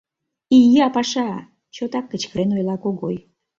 — Ия паша! — чотак кычкырен ойла Когой.